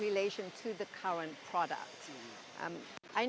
terutama berhubungan dengan produk saat ini